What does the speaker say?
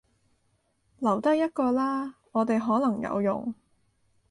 留低一個啦，我哋可能有用